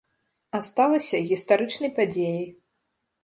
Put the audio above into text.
А сталася гістарычнай падзеяй.